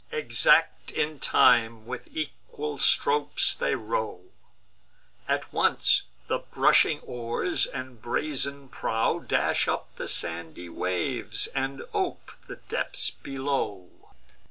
Exact in time, with equal strokes they row: At once the brushing oars and brazen prow Dash up the sandy waves, and ope the depths below.